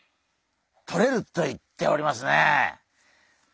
とれると言っておりますね。